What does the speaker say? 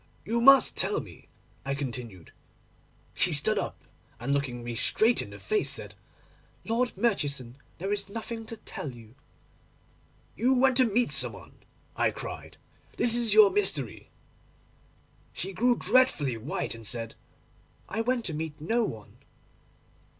"You must tell me," I continued. She stood up, and, looking me straight in the face, said, "Lord Murchison, there is nothing to tell you."—"You went to meet some one," I cried; "this is your mystery." She grew dreadfully white, and said, "I went to meet no one."